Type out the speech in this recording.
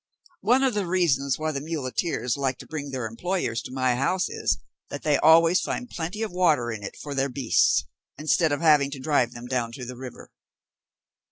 One of the reasons why the muleteers like to bring their employers to my house is, that they always find plenty of water in it for their beasts, instead of having to drive them down to the river."